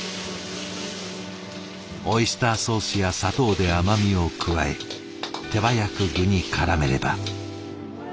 オイスターソースや砂糖で甘みを加え手早く具にからめれば。